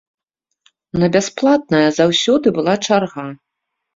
На бясплатнае заўсёды была чарга.